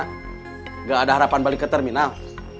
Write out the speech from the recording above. tidak ada harapan balik ke terminal